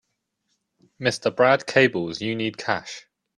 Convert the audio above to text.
Mr. Brad cables you need cash.